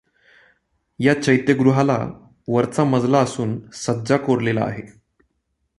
या चैत्यगृहाला वरचा मजला असून सज्जा कोरलेला आहे.